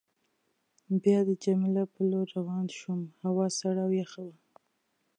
بیا د جميله په لور روان شوم، هوا سړه او یخه وه.